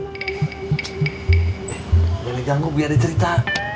jangan diganggu biar ada cerita